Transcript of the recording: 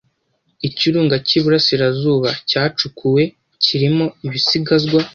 Ikirunga cyiburasirazuba cyacukuwe kirimo ibisigazwa